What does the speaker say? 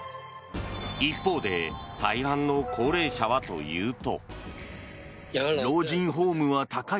一方で大半の高齢者はというと。